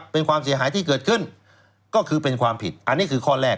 เป็นความเสียหายที่เกิดขึ้นก็คือเป็นความผิดอันนี้คือข้อแรก